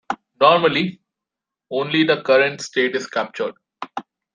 Normally, only the current state is captured.